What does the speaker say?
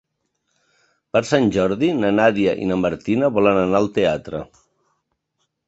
Per Sant Jordi na Nàdia i na Martina volen anar al teatre.